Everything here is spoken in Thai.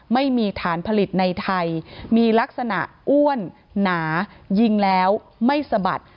ไม่มีฐานผลิตในไทยมีลักษณะอ้วนหนายิงแล้วไม่สะบัด